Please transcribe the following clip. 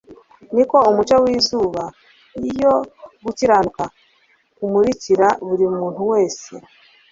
niko umucyo w'Izuba iyo gukiranuka, umurikira buri muntu wese.